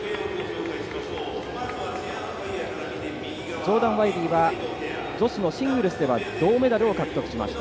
ジョーダン・ワイリーは女子のシングルスでは銅メダルを獲得しました。